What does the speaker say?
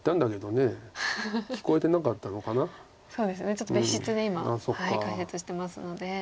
ちょっと別室で今解説してますので。